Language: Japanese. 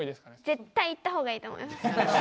絶対言った方がいいと思います。